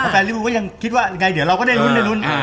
แฟนลิฟภูมิก็ยังคิดว่าเดี๋ยวเราก็ได้รุ่นในรุ่น